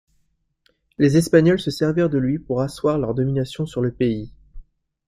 Les Espagnols se servirent de lui pour asseoir leur domination sur le pays.